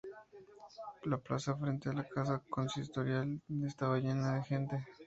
La plaza frente a la casa consistorial se estaba llena de gente.